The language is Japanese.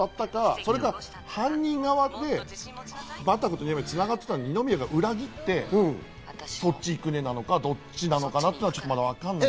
それか犯人側でバタコと繋がっていた二宮が裏切って「そっち行くね」なのか、どっちなのかなっていうのはまだわからない。